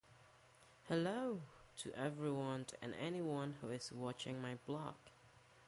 Hello to everyone and anyone who is watching my blog!